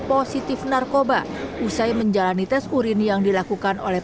positif narkoba usai menjalani tes urin yang dilakukan oleh